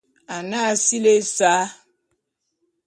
Anag sili ésa.